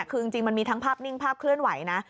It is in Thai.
คือจริงมันมีทั้งภาพนิ่งภาพเคลื่อนไหวนะ